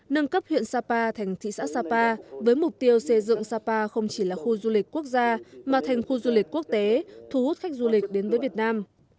nâng cấp huyện sapa thành thị xã sapa với mục tiêu xây dựng sapa không chỉ là khu du lịch quốc gia mà thành khu du lịch quốc tế thu hút khách du lịch đến với việt nam